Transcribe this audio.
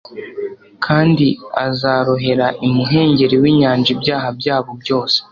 kandi azarohera imuhengeri w'inyanja ibyaha byabo byose»